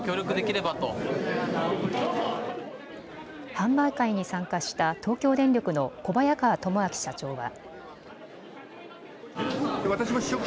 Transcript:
販売会に参加した東京電力の小早川智明社長は。